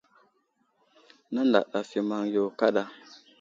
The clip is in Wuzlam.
Nənday ɗaf i maŋ yo kaɗa.